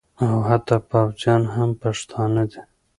او حتی پوځیان هم پښتانه دي